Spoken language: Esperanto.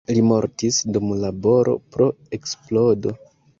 Li mortis dum laboro pro eksplodo.